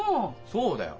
そうだよ。